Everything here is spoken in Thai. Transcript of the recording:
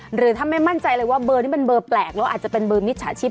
หรือถ้าไม่มั่นใจเลยว่าเบอร์นี้เป็นเบอร์แปลกแล้วอาจจะเป็นเบอร์มิจฉาชีพ